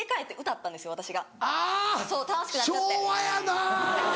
昭和やな！